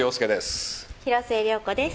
広末涼子です。